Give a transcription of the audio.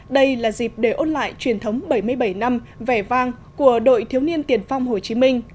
đây là dịp để ôn lại truyền thống bảy mươi bảy năm vẻ vang của đội thiếu niên tiền phong hồ chí minh